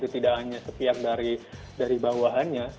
tidak hanya sepiak dari bawahannya